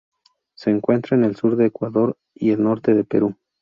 Se encuentra en el sur de Ecuador y el norte de Perú.